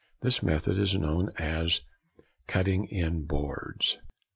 This method is known as "cutting in boards."